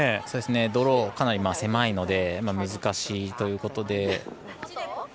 そうですね、ドローはかなり狭いので難しいということで。